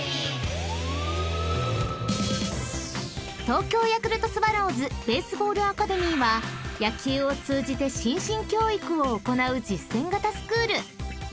［東京ヤクルトスワローズベースボールアカデミーは野球を通じて心身教育を行う実践型スクール］